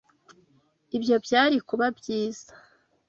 Ibyo byari kuba byiza